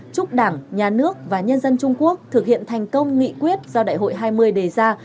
chúc đảng nhà nước và nhân dân trung quốc thực hiện thành công nghị quyết do đại hội hai mươi đề ra